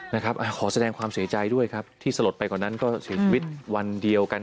ขอแสดงความเสียใจด้วยครับที่สลดไปกว่านั้นก็เสียชีวิตวันเดียวกัน